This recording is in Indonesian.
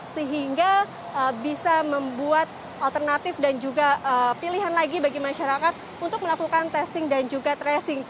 sehingga bisa membuat alternatif dan juga pilihan lagi bagi masyarakat untuk melakukan testing dan juga tracing